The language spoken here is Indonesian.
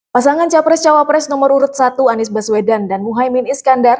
pasangan capres cawapres nomor urut satu anies baswedan dan muhaymin iskandar